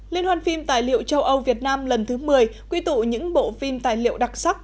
liên hoan phim tài liệu châu âu việt nam lần thứ một mươi quy tụ những bộ phim tài liệu đặc sắc